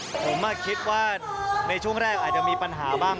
ผมคิดว่าในช่วงแรกอาจจะมีปัญหาบ้าง